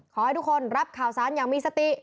ขอให้ทุกคนรับข่าวสารอย่างมีสติ